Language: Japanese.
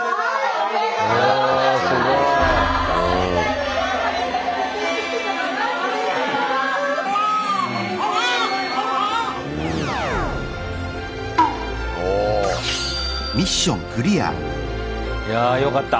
おお。いやよかった。